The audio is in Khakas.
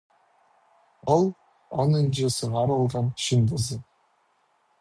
Ол - онынҷы сығарылған чыындызы.